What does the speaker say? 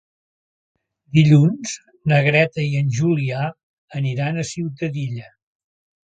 Dilluns na Greta i en Julià aniran a Ciutadilla.